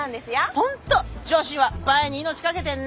本当女子は「映え」に命かけてんね。